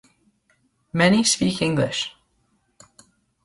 Many speak English.